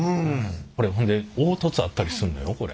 これ凹凸あったりするのよこれ。